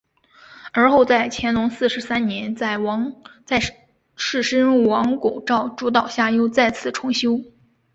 而后在乾隆四十三年在士绅王拱照主导下又再次重修。